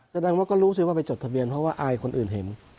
แสดงว่าก็รู้สิว่าไปจดทะเบียนเพราะว่าอายคนอื่นเห็น